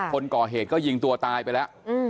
คนก่อเหตุก็ยิงตัวตายไปแล้ว